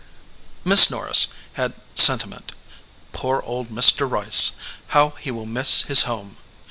Miss Norris had sentiment. "Poor old Mr. Rice!" she said. "How he will miss his home!"